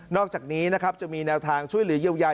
อกจากนี้นะครับจะมีแนวทางช่วยเหลือเยียวยา